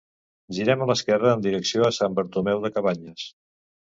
Girem a l'esquerra, en direcció a Sant Bartomeu de Cabanyes.